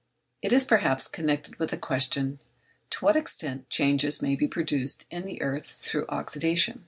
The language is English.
It is perhaps connected with the question to what extent changes may be produced in the earths through oxydation?